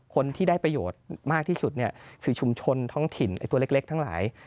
คนที่ได้ประโยชน์มากที่สุดเนี่ยคือชุมชนท้องถิ่นไอ้ตัวเล็กทั้งหลาย